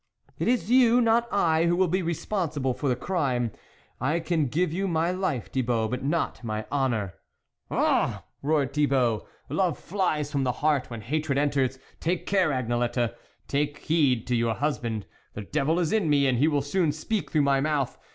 " It is you, not I, who will be respon sible for the crime. I can give you my life, Thibault, but not my honour." THE WOLF LEADER 105 "Oh," roared Thibault, "love flies from the heart when hatred enters ; take care, Agnelette ! take heed to your hus band! The devil is in me, and he will soon speak through my mouth.